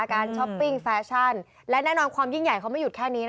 ช้อปปิ้งแฟชั่นและแน่นอนความยิ่งใหญ่เขาไม่หยุดแค่นี้